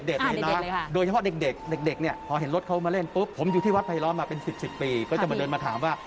โดยเฉพาะเด็กเด็กเนี่ยพอเห็นรถเขามาเล่นปุ๊บผมอยู่ที่วัดไผลล้อมมาเป็น๑๐ปีก็จะมาเดินมาถามว่า